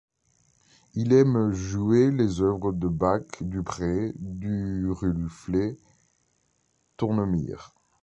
Il aime jouer les œuvres de Bach, Dupré, Duruflé, Tournemire.